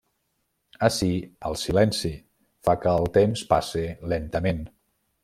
Ací, el silenci, fa que el temps passe lentament.